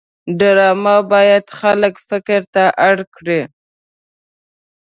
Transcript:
ډرامه باید خلک فکر ته اړ کړي